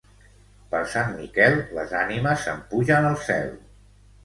Per Sant Miquel les ànimes se'n pugen al cel.